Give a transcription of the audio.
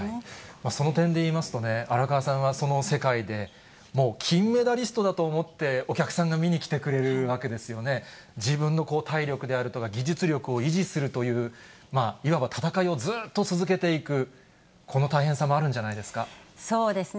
その点で言いますとね、荒川さんはその世界で、もう金メダリストだと思ってお客さんが見に来てくれるわけですよね、自分の体力であるとか、技術力を維持するという、いわば戦いをずーっと続けていく、この大変さもあるんじゃないです